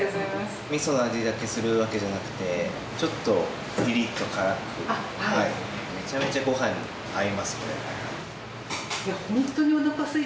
味噌の味だけするわけじゃなくてちょっとピリッと辛くめちゃめちゃご飯に合いますこれ。